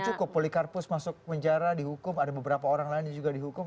belum cukup polikarpus masuk penjara dihukum ada beberapa orang lainnya juga dihukum